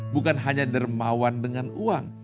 bukan hanya dermawan dengan uang